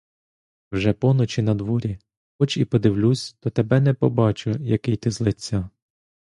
Вже поночі надворі: хоч і подивлюсь, то тебе не побачу, який ти з лиця.